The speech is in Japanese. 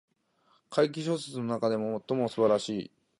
怪奇小説の中で最も素晴らしい